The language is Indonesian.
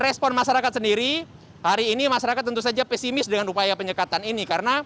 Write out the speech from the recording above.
respon masyarakat sendiri hari ini masyarakat tentu saja pesimis dengan upaya penyekatan ini karena